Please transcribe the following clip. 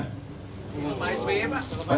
pak sby pak